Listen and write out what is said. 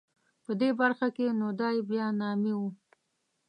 په دې برخه کې نو دای بیا نامي و.